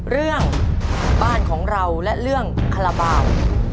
เรื่องบ้านของเราและเรื่องคาราบาล